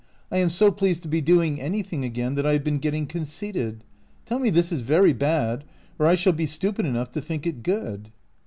I am so pleased to be doing anything again that I have been getting conceited. Tell me this is very bad, or I shall be stupid enough to think it good."